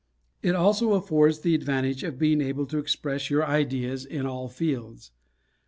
It also affords the advantage of being able to express your ideas in all fields.